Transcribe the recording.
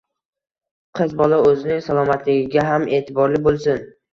Qiz bola o‘zining salomatligiga ham e’tiborli bo‘lsin.